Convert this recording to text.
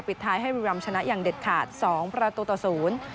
ปิดท้ายให้บริรามชนะอย่างเด็ดขาด๒ประตูตะสูง